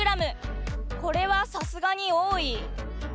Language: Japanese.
これはさすがに多い？